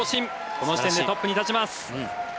この時点でトップに立ちます。